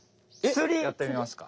やってみますか。